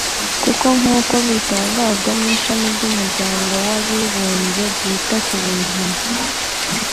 kuko nk’uko bitangazwa n’ishami ry’umuryango w’abibumbye ryita ku buzima